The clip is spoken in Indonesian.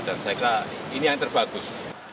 dan saya kira ini yang terbagus